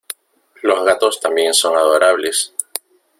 Los gatos también son adorables.